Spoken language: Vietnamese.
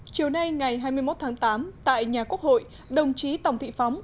chiều nay ngày hai mươi một tháng tám tại nhà quốc hội đồng chí tổng thị phóng